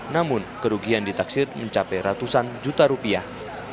namun kerugian ditaksir mencapai ratusan juta rupiah